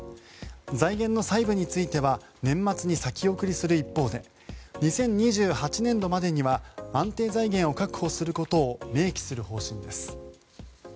財源の細部については年末に先送りする一方で２０２８年度までには安定財源を確保することを明記する方針です。